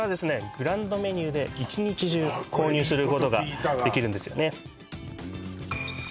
グランドメニューで１日中購入することができるんですよね